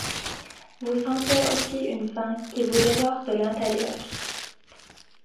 Vous sentez aussi une faim qui vous dévore de l'intérieur.